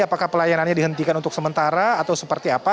apakah pelayanannya dihentikan untuk sementara atau seperti apa